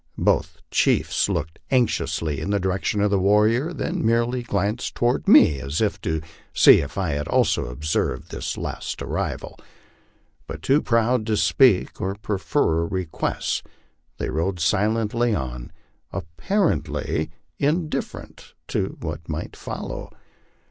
Both chiefs looked anxiously in the direction of the warrior, then merely glanced toward me as if to see if I had also observed this last arrival ; but too proud to speak or prefer a request, they rode silently on, apparently indiffer ent to what might follow.